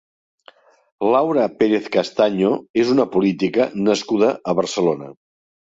Laura Pérez Castaño és una política nascuda a Barcelona.